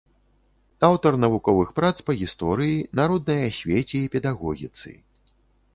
Аўтар навуковых прац па гісторыі, народнай асвеце і педагогіцы.